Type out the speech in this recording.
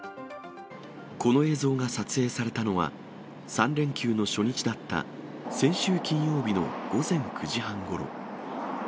この映像が撮影されたのは、３連休の初日だった先週金曜日の午前９時半ごろ。